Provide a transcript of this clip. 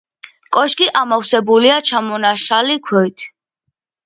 კოშკი ამოვსებულია ჩამონაშალი ქვით.